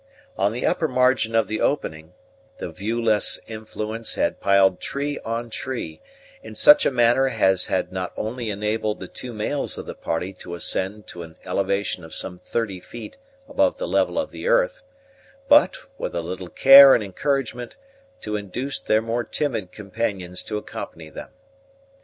On the upper margin of the opening, the viewless influence had piled tree on tree, in such a manner as had not only enabled the two males of the party to ascend to an elevation of some thirty feet above the level of the earth, but, with a little care and encouragement, to induce their more timid companions to accompany them.